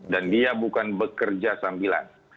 dia bukan bekerja sambilan